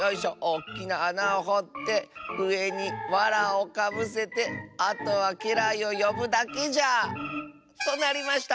おっきなあなをほってうえにわらをかぶせてあとはけらいをよぶだけじゃ』となりました」。